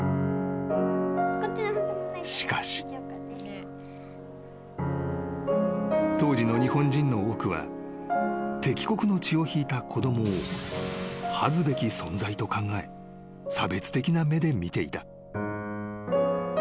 ［しかし］［当時の日本人の多くは敵国の血をひいた子供を恥ずべき存在と考え差別的な目で見ていた］